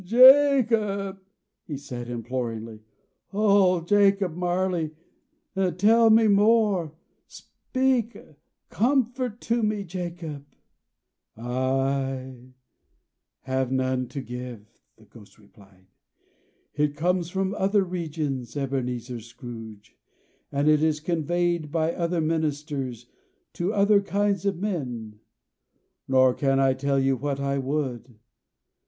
"Jacob," he said imploringly. "Old Jacob Marley, tell me more. Speak comfort to me, Jacob!" "I have none to give," the Ghost replied. "It comes from other regions, Ebenezer Scrooge, and is conveyed by other ministers, to other kinds of men. Nor can I tell you what I would.